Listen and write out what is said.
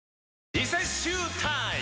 リセッシュータイム！